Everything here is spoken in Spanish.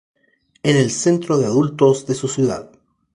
En el Centro de Adultos de su ciudad.